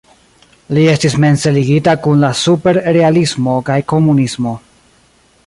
Li estis mense ligita kun la superrealismo kaj komunismo.